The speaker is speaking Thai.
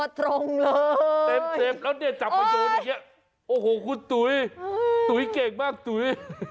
ตรงเลยเต็มแล้วเนี่ยจับมาโยนอย่างนี้โอ้โหคุณตุ๋ยตุ๋ยเก่งมากตุ๋ย